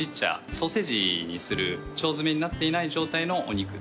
ソーセージにする腸詰めになっていない状態のお肉でございますね。